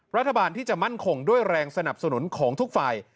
รัฐบาลที่จะมั่นคงด้วยแรงสนับสนุนของทุกฝ่าย